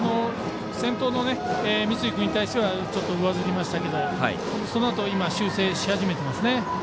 先頭の三井君に対してはちょっと上ずりましたがそのあと修正し始めてますね。